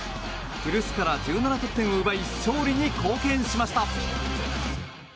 古巣から１７得点を奪い勝利に貢献しました。